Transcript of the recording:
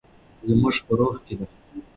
زموږ په روح کې ده.